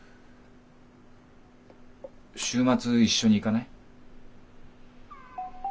週末一緒に行かない？